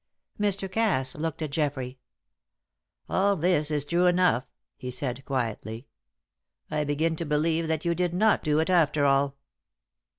Mr. Cass looked at Geoffrey. "All this is true enough," he said, quietly. "I begin to believe that you did not do it after all."